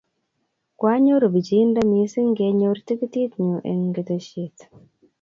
Kwanyoru bichindo mising' kenyor tikitit nyuu eng' keteshet